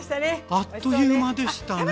あっという間でしたね。